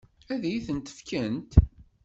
Ad iyi-ten-fkent?